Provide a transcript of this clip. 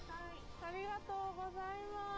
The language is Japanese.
ありがとうございます。